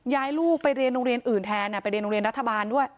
ย้ายลูกไปเรียนโรงเรียนอื่นแทนไปเรียนโรงเรียนรัฐบาลด้วย